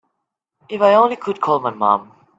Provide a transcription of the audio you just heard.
If I only could call my mom.